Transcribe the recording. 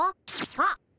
あっ。